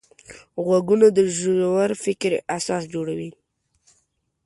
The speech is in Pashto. غوږونه د ژور فکر اساس جوړوي